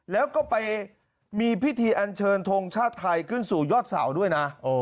แล้วก็ไปมีพิธีอันเชิญทงชาติไทยขึ้นสู่ยอดเสาด้วยนะ